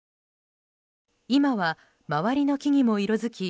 今は周りの木々も色づき